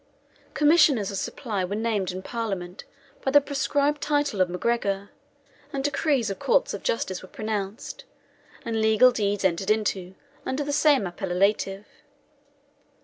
Commissioners of supply were named in Parliament by the proscribed title of MacGregor, and decrees of courts of justice were pronounced, and legal deeds entered into, under the same appellative.